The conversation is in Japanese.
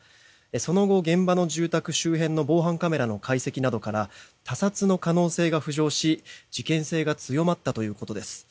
その後、現場の住宅周辺の防犯カメラの解析などから他殺の可能性が浮上し事件性が強まったということです。